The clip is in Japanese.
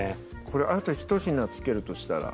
これあとひと品付けるとしたら？